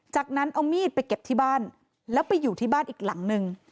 จากนั้นเอามีดไปเก็บที่บ้านแล้วไปอยู่ที่บ้านอีกหลังนึง